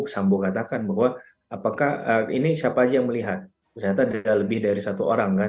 sambo katakan bahwa apakah ini siapa aja yang melihat ternyata ada lebih dari satu orang kan